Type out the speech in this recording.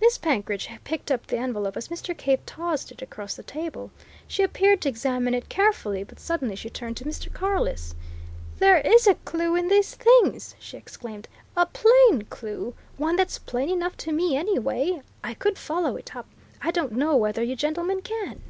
Miss Penkridge picked up the envelope as Mr. Cave tossed it across the table. She appeared to examine it carefully, but suddenly she turned to Mr. Carless. "There is a clue in these things!" she exclaimed. "A plain clue! One that's plain enough to me, anyway. I could follow it up. I don't know whether you gentlemen can."